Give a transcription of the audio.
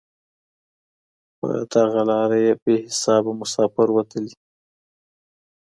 پر دغه لاره بې حسابه مساپر وتلي